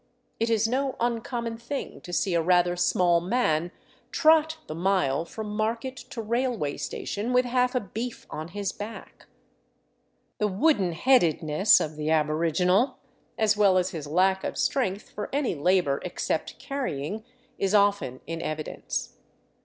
It is no uncommon thing to see a rather small man trot the mile from market to railway station with half a beef on his back. The wooden headedness of the aboriginal, as well as his lack of strength for any labor except carrying, is often in evidence.